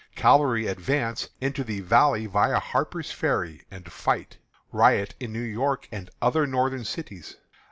Cavalry Advance into the Valley via Harper's Ferry, and Fight. Riot in New York and other Northern Cities.